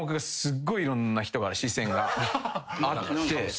いろんな人から視線があって。